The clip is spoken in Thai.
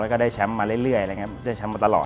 แล้วก็ได้แชมป์มาเรื่อยตลอด